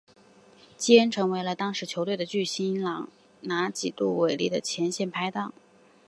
基恩成为了当时球队的巨星朗拿度及韦利的前线拍挡。